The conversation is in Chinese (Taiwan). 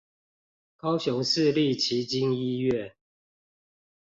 高雄市立旗津醫院